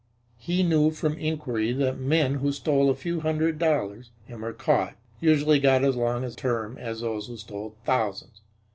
He knew from inquiry that men who stole a few hundred dollars, and were caught, usually got as long a term as those who stole thousands.